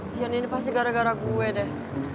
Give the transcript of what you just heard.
kian ini pasti gara gara gue deh